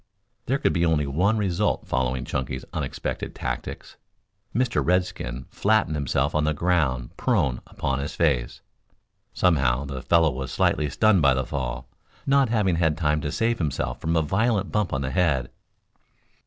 There could be only one result following Chunky's unexpected tactics. Mr. Redskin flattened himself on the ground prone upon his face. Somehow the fellow was slightly stunned by the fall, not having had time to save himself from a violent bump on the head.